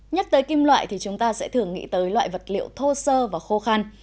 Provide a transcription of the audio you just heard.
nhất tới kim loại thì chúng ta sẽ thường nghĩ tới loại vật liệu thô sơ và khô khăn